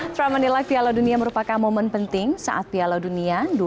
trump menilai piala dunia merupakan momen penting saat piala dunia dua ribu dua puluh